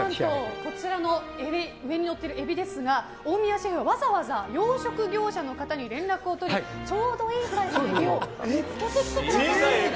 こちらの上にのっているエビですが大宮シェフがわざわざ養殖業者の方に連絡を取りちょうどいいサイズのを見つけてきてくださったんです。